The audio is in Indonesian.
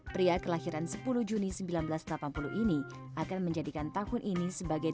pria kelahiran sepuluh juni seribu sembilan ratus delapan puluh ini akan menjadikan tahun ini sebagai